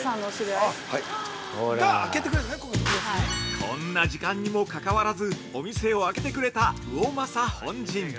◆こんな時間にもかかわらずお店を開けてくれた魚正本陣。